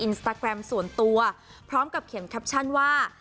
อินสตาแกรมส่วนตัวพร้อมกับเขียนแคปชั่นว่า